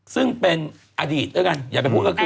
ซึ่งเป็นอดีตด้วยกัน